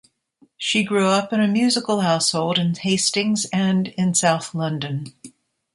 She grew up in a musical household in Hastings and in south London.